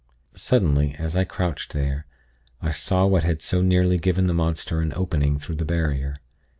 "Suddenly, as I crouched there, I saw what had so nearly given the monster an opening through the barrier.